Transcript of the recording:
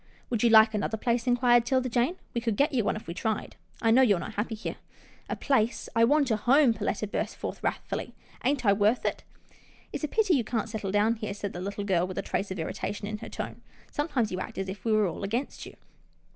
" Would you like another place? " inquired 'Tilda Jane. " We could get you one if we tried. I know you're not happy here." " A place — I wants a home," Perletta burst forth wrathfully, " ain't I wuth it? "" It's a pity you can't settle down here," said the little girl with a trace of irritation in her tone. " Sometimes you act as if we were all against you."